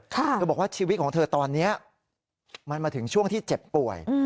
เธอบอกว่าชีวิตของเธอตอนนี้มันมาถึงช่วงที่เจ็บป่วย